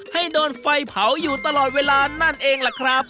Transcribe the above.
ให้โดนไฟเผาอยู่ตลอดเวลานั่นเองล่ะครับ